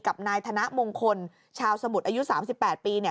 กับนายธนมงคลชาวสมุทรอายุ๓๘ปี